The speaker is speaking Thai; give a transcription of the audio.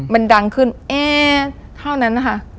มันดังขึ้นเอ๊เท่านั้นนะคะ